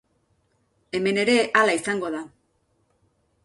Hemen ere hala izango da.